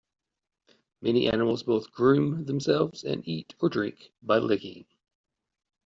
Many animals both groom themselves and eat or drink by licking.